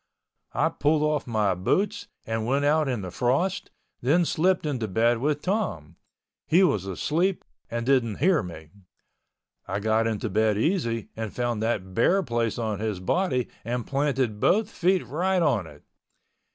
I pulled off my boots and went out in the frost—then slipped into bed with Tom. He was asleep and didn't hear me. I got into bed easy and found that bare place on his body and planted both feet right on it.